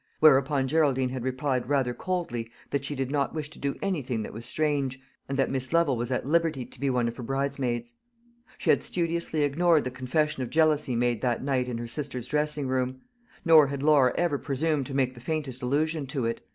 Whereupon Geraldine had replied rather coldly that she did not wish to do anything that was strange, and that Miss Lovel was at liberty to be one of her bridesmaids. She had studiously ignored the confession of jealousy made that night in her sister's dressing room; nor had Laura ever presumed to make the faintest allusion to it.